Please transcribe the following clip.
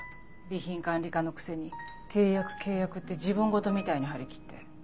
備品管理課のくせに「契約契約」って自分ごとみたいに張り切って。